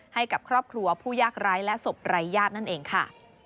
ให้กับครอบครัวผู้ยากไร้และศพรายญาตินั่นเองค่ะ